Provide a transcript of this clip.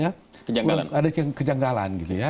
ada kejanggalan gitu ya